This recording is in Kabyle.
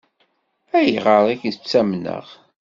Ayɣer i k-ttamneɣ?